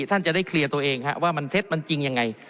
ท่านจะได้เคลียร์ตัวเองว่ามันเท็จมันจริงยังไง